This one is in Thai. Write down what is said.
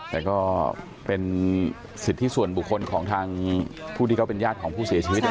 แต่ก็เป็นสิทธิส่วนบุคคลของทางผู้ที่เขาเป็นญาติของผู้เสียชีวิต